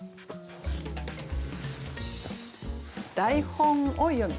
「台本を読み」。